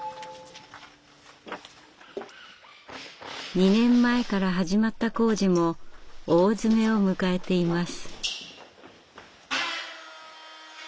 ２年前から始まった工事も大詰めを迎えています。